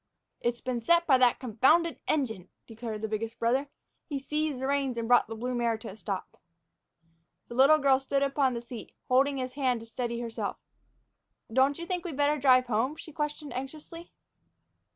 "It's been set by that confounded engine," declared the biggest brother. He seized the reins and brought the blue mare to a stop. The little girl stood upon the seat, holding his hand to steady herself. "Don't you think we'd better drive home?" she questioned anxiously.